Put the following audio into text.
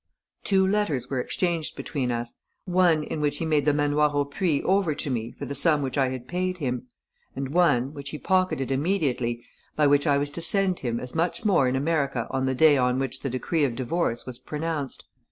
Two letters were exchanged between us: one in which he made the Manoir au Puits over to me for the sum which I had paid him; and one, which he pocketed immediately, by which I was to send him as much more in America on the day on which the decree of divorce was pronounced....